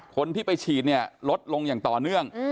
คนที่ไปฉีดเนี่ยลดลงอย่างต่อเนื่อง